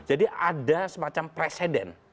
jadi ada semacam presiden